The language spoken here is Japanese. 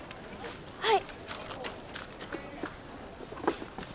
はい。